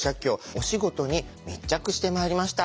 お仕事に密着してまいりました。